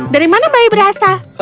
dari mana bayi berasa